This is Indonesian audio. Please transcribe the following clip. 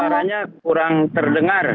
mak suaranya kurang terdengar